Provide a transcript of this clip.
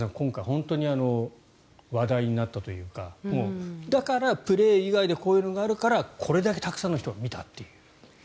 本当に話題になったというかだからプレー以外でこういうのがあるからこれだけたくさんの人が見たという。